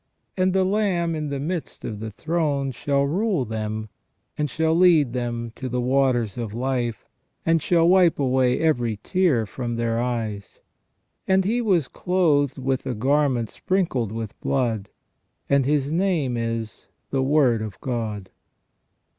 And the Lamb in the midst of the throne " shall rule them, and shall lead them to the waters of life, and shall wipe away every tear from their eyes ". And " He was clothed with a garment sprinkled with blood, and His name is The Word of God